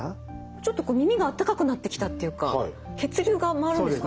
ちょっとこう耳があったかくなってきたっていうか血流が回るんですかね。